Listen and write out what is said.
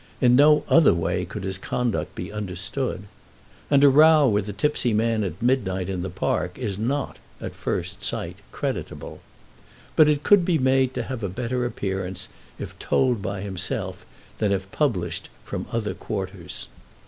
In no other way could his conduct be understood. And a row with a tipsy man at midnight in the park is not, at first sight, creditable. But it could be made to have a better appearance if told by himself, than if published from other quarters.